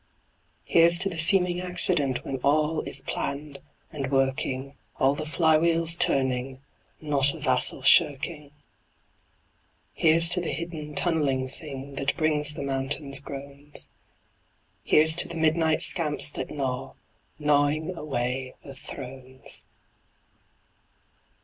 Here's to the seeming accident When all is planned and working, All the flywheels turning, Not a vassal shirking. Here's to the hidden tunneling thing That brings the mountain's groans. Here's to the midnight scamps that gnaw, Gnawing away the thrones.